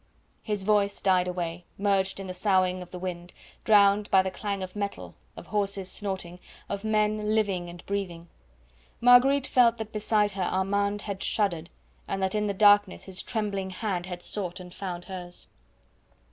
His voice died away, merged in the soughing of the wind, drowned by the clang of metal, of horses snorting, of men living and breathing. Marguerite felt that beside her Armand had shuddered, and that in the darkness his trembling hand had sought and found hers.